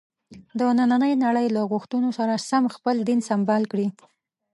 د نننۍ نړۍ له غوښتنو سره سم خپل دین سمبال کړي.